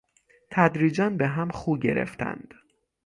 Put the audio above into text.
تدریجا به هم خو گرفتند.